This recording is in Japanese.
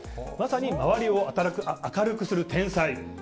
まさに周りを明るくする天才。